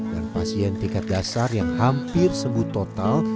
dan pasien tingkat dasar yang hampir sembuh total